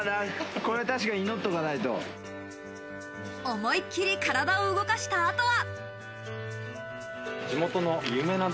思いきり体を動かしたあとは。